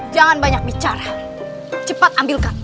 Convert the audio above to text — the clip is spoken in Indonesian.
jangan banyak bicara cepat ambilkan